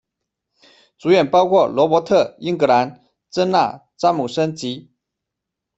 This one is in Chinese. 主演包括罗伯特·英格兰、珍娜·詹姆森、及。